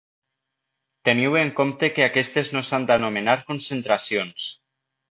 Teniu en compte que aquestes no s'han d'anomenar concentracions.